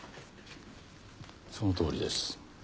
そのとおりです。